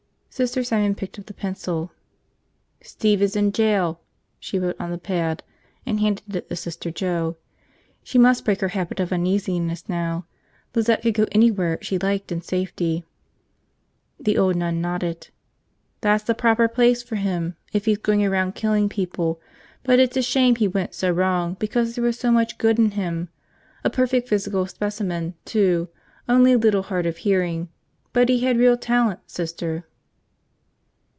Sister Simon picked up the pencil. "Steve is in jail," she wrote on the pad, and handed it to Sister Joe. She must break her habit of uneasiness now. Lizette could go anywhere she liked in safety. The old nun nodded. "That's the proper place for him, if he's going around killing people. But it's a shame he went so wrong because there was so much good in him. A perfect physical specimen, too, only a little hard of hearing. But he had real talent, Sister."